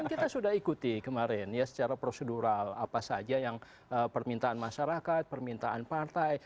kita sudah ikuti kemarin ya secara prosedural apa saja yang permintaan masyarakat permintaan partai